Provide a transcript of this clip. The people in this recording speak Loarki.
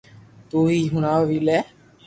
تو ھي ھڻاو وي لي